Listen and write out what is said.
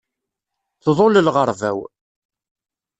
Tḍul lɣerba-w.